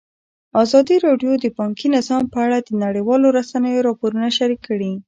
ازادي راډیو د بانکي نظام په اړه د نړیوالو رسنیو راپورونه شریک کړي.